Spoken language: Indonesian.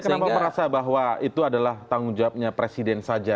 kenapa merasa bahwa itu adalah tanggung jawabnya presiden saja